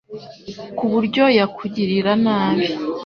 ku buryo yakugirira nabi,